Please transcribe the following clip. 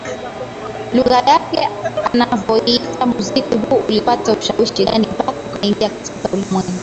lugha yake anavyouita muziki huu Ulipata ushawishi gani mpaka ukaingia katika ulimwengu